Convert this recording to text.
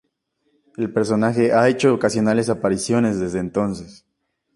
El personaje ha hecho ocasionales apariciones desde entonces.